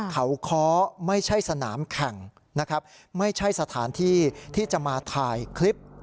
เขาค้อไม่ใช่สนามแข่งนะครับไม่ใช่สถานที่ที่จะมาถ่ายคลิป